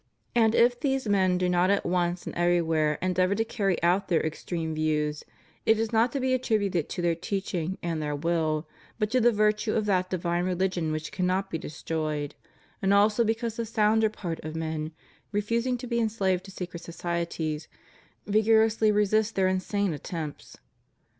And if these men do not at once and everywhere endeavor to carry out their extreme views, it is not to be attributed to their teaching and their will, but to the virtue of that divine reHgion which cannot be destroyed; and also because the sounder part of men, refusing to be enslaved to secret societies, vigorously resist their insane attempts.